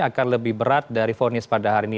akan lebih berat dari fonis pada hari ini